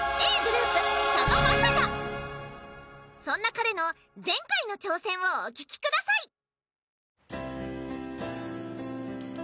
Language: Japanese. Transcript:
そんな彼の前回の挑戦をお聴きください